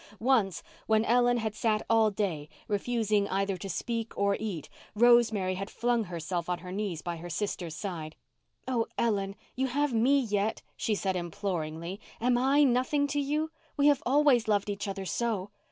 Once, when Ellen had sat all day, refusing either to speak or eat, Rosemary had flung herself on her knees by her sister's side. "Oh, Ellen, you have me yet," she said imploringly. "Am I nothing to you? We have always loved each other so."